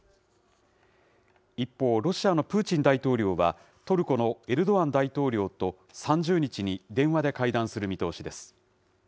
一方、ロシアのプーチン大統領はトルコのエルドアン大統領と３０日に電話で会談する見通しです。